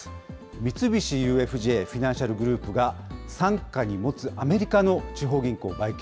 三菱ＵＦＪフィナンシャル・グループが、傘下に持つアメリカの地方銀行売却。